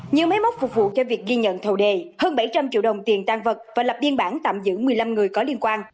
như máy móc phục vụ cho việc ghi nhận thầu đề hơn bảy trăm linh triệu đồng tiền tan vật và lập biên bản tạm giữ một mươi năm người có liên quan